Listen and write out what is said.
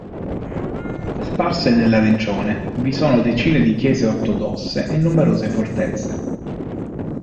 Sparse nella regione vi sono decine di chiese ortodosse e numerose fortezze.